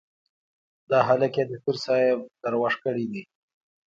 دا هلک يې د پير صاحب دروږ کړی دی.